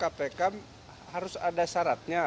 kpk harus ada syaratnya